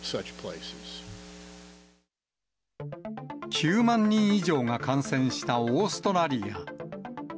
９万人以上が感染したオーストラリア。